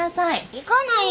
行かない！